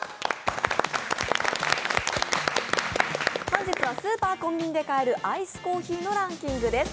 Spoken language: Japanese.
本日はスーパー・コンビニで買えるアイスコーヒーのランキングです。